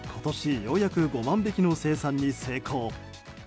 ようやく５万匹の生産に成功。